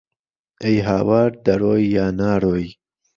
ئهی هاوار دهرۆی یا نارۆی